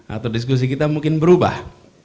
atau diskusi kita mungkin berubah